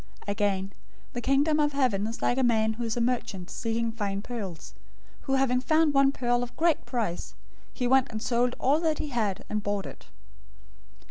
013:045 "Again, the Kingdom of Heaven is like a man who is a merchant seeking fine pearls, 013:046 who having found one pearl of great price, he went and sold all that he had, and bought it.